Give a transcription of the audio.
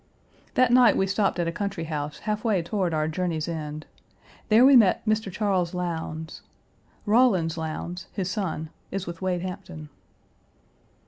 That night we stopped at a country house half way toward our journey's end. There we met Mr. Charles Lowndes. Rawlins Lowndes, his son, is with Wade Hampton.